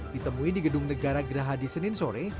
ditemui di gedung negara geraha di senin sore